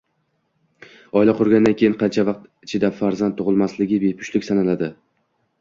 Oila qurgandan keyin qancha vaqt ichida farzand tug‘ilmasligi bepushtlik sanaladi?